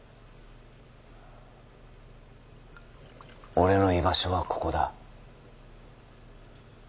俺の居場所はここだ。